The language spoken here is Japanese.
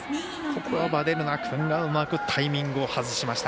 ここはヴァデルナ君がうまくタイミングを外しました。